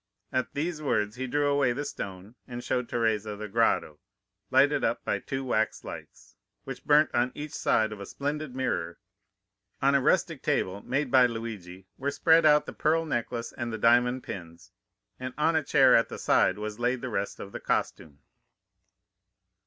"At these words he drew away the stone, and showed Teresa the grotto, lighted up by two wax lights, which burnt on each side of a splendid mirror; on a rustic table, made by Luigi, were spread out the pearl necklace and the diamond pins, and on a chair at the side was laid the rest of the costume.